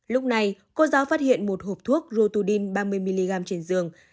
lúc này cô giáo phát hiện một hộp thuốc rotudin ba mươi mg trên giường